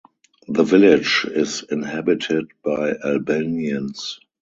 The village is inhabited by Albanians.